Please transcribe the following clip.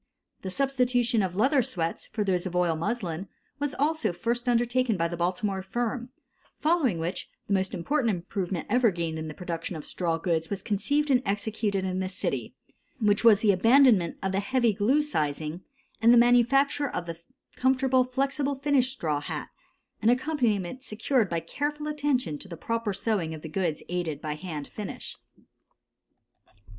The substitution of leather sweats for those of oil muslin was also first undertaken by the Baltimore firm; following which, the most important improvement ever gained in the production of straw goods was conceived and executed in this city, which was the abandonment of the heavy glue sizing and the manufacture of the comfortable "flexible finish" straw hat, an accomplishment secured by careful attention to the proper sewing of the goods aided by hand finish.